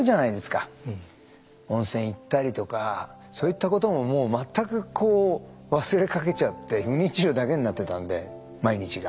温泉行ったりとかそういったことももう全くこう忘れかけちゃって不妊治療だけになってたんで毎日が。